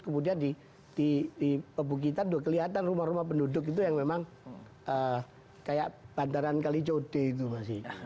kemudian di pebukitan sudah kelihatan rumah rumah penduduk itu yang memang kayak bandaran kalijode itu masih